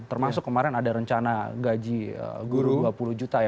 termasuk kemarin ada rencana gaji guru dua puluh juta ya